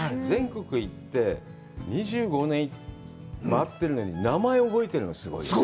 全国行って、２５年回ってるのに名前を覚えてるのがすごい。